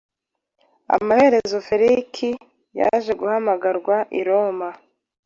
Amaherezo Feliki yaje guhamagarwa i Roma